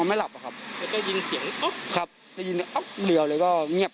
มาตีกันอย่างงั้น